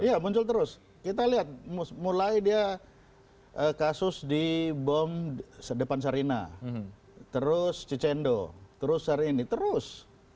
iya muncul terus kita lihat mulai dia kasus di bom depan sarina terus cicendo terus sarini terus